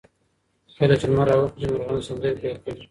کله چي لمر راوخېژي، مرغان سندرې پیل کوي.